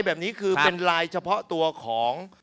อ๋อแค่๘๐๐เท่านั้นเอง